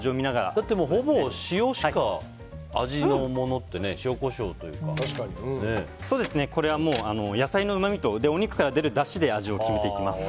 だって、ほぼ塩しか味のものってこれは野菜のうまみとお肉から出るだしで味を決めていきます。